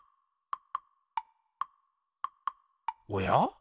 おや？